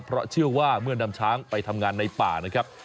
เพราะเชื่อว่าเมื่อนำช้างไปทำงานในป่านะครับ